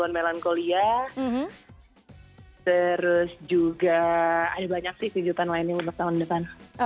film yang ada di kolia terus juga ada banyak sih kejutan lainnya untuk tahun depan